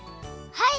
はい！